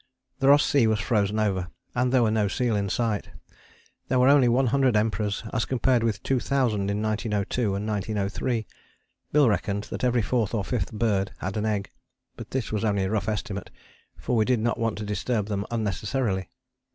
The Ross Sea was frozen over, and there were no seal in sight. There were only 100 Emperors as compared with 2000 in 1902 and 1903. Bill reckoned that every fourth or fifth bird had an egg, but this was only a rough estimate, for we did not want to disturb them unnecessarily.